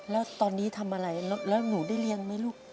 แล้วตอนนี้ทำอะไรแล้วหนูได้เรียนไหมลูก